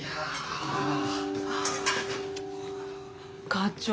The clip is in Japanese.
課長